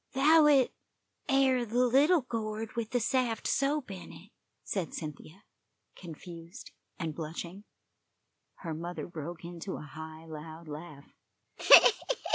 "'Thout it air the little gourd with the saft soap in it," said Cynthia, confused and blushing. Her mother broke into a high, loud laugh.